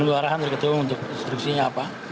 ya arah arahnya ketua umum untuk instruksinya apa